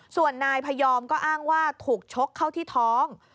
ส่วนนายพยอมก็อ้างว่าถูกชกเข้าที่ท้อง